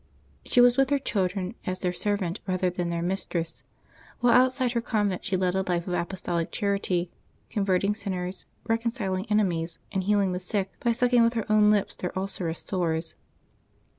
'^ She was with her children as their servant rather than their mistress, while outside her convent she led a life of apostolic charity, con verting sinners, reconciling enemies, and healing the sick by sucking with her own lips their ulcerous sores.